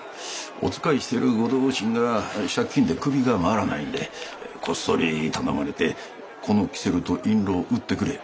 「お仕えしてるご同心が借金で首が回らないんでこっそり頼まれてこのキセルと印籠を売ってくれ。